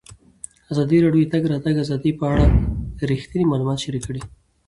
ازادي راډیو د د تګ راتګ ازادي په اړه رښتیني معلومات شریک کړي.